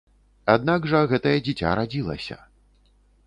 Аднак жа гэтае дзіця радзілася.